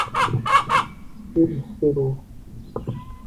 Siri musiru!